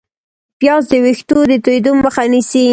پیاز د ویښتو د تویېدو مخه نیسي